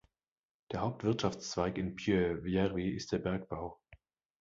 Der Hauptwirtschaftszweig in Pyhäjärvi ist der Bergbau.